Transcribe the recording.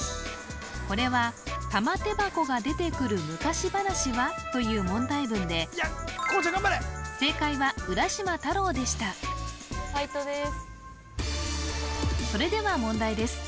これは「玉手箱」が出てくる昔話は？という問題文で正解は浦島太郎でしたそれでは問題です